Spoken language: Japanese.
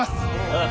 ああ。